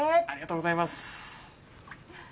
ありがとうございます。